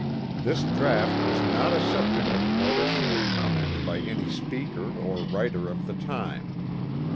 This draught was not a subject of notice or comment by any speaker or writer of the time.